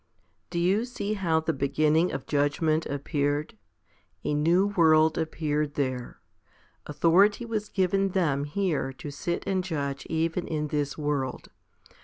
7. Do you see how the beginning of judgment appeared ? A new world appeared there. Authority was given them here to sit and judge even in this world.